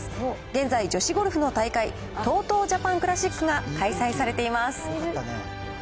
現在、女子ゴルフの大会、ＴＯＴＯジャパンクラシックが開催されています。